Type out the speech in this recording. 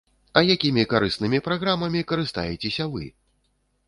А якімі карыснымі праграмамі карыстаецеся вы?